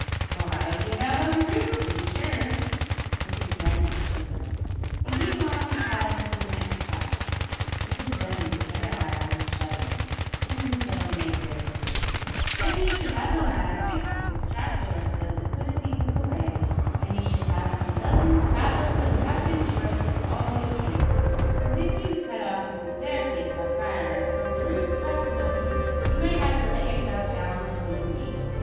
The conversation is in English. "Why, get out on the roof to be sure," (Mrs Denman shivered) "and get along the tiles to the next house," (Mrs Denman shut her eyes and shuddered) "an' so make yer escape. Then you should have a ladder fixed to this trap door so as it couldn't be took away, and ye should have some dozen fathoms o' half inch rope always handy, cause if ye was cut off from the staircase by fire an' from the roof by smoke ye might have to let yourself down from a windy.